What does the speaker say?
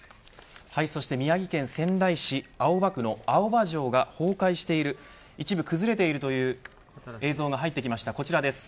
宮城県仙台市青葉区の青葉城が崩壊している一部崩れている映像が入ってきました。